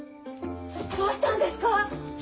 どうしたんですか！？